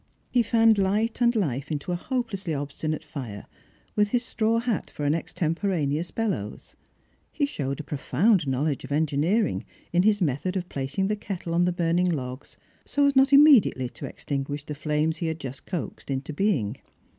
He fanned life and light into a hopelessly obstinate fire, with his straw hat for an extemporaneous bellows ; he showed a profound knowledge of engineering in his method of placing the kettle on the burning logs, so as not immediately to extinguish the flames he had just coaxed into being.